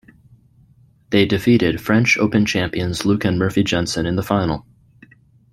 They defeated French Open champions Luke and Murphy Jensen in the final.